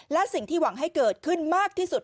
และสิ่งที่หวังให้เกิดขึ้นมากที่สุด